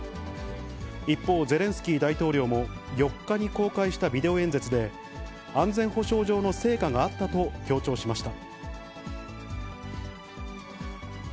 一方、ゼレンスキー大統領も４日に公開したビデオ演説で、安全保障上の成果があったと強調しました。